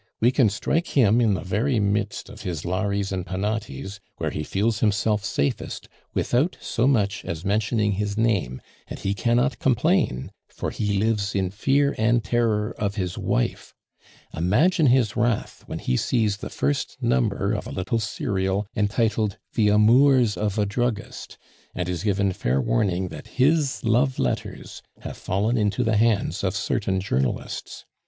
We can strike him in the very midst of his Lares and Penates, where he feels himself safest, without so much as mentioning his name; and he cannot complain, for he lives in fear and terror of his wife. Imagine his wrath when he sees the first number of a little serial entitled the Amours of a Druggist, and is given fair warning that his love letters have fallen into the hands of certain journalists.